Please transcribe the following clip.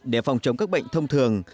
để phòng chống các bệnh thông thường